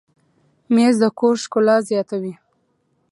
مېز د کور ښکلا زیاتوي.